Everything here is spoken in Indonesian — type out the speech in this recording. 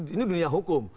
ini dunia hukum